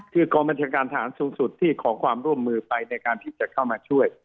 คือกองบัญชาการทหารสูงสุดที่ขอความร่วมมือไปในการที่จะเข้ามาช่วย